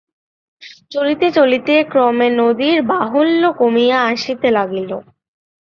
চলিতে চলিতে ক্রমে নদীর বাহুল্য কমিয়া আসিতে লাগিল।